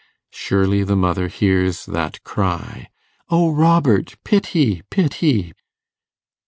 Surely the mother hears that cry 'O Robert! pity! pity!